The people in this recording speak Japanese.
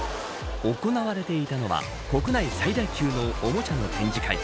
行われていたのは国内最大級のおもちゃの展示会